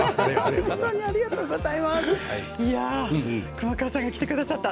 熊川さんが来てくださった。